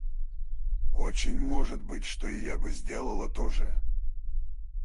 Очень может быть, что и я бы сделала то же.